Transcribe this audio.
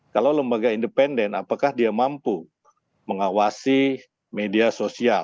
kalau lembaga independen apakah dia mampu mengawasi media sosial